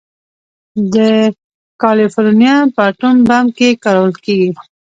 د کالیفورنیم په اټوم بم کې کارول کېږي.